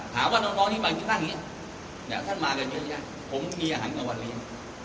ถามว่าน้องที่มาที่นั่นเนี่ยท่านมากันเยอะแยะผมมีอาหารกลางวันเลี้ยง